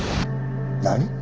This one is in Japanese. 何！？